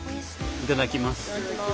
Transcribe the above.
いただきます。